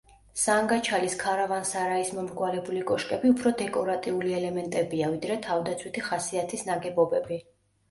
სანგაჩალის ქარავან-სარაის მომრგვალებული კოშკები უფრო დეკორატიული ელემენტებია ვიდრე თავდაცვითი ხასიათის ნაგებობები.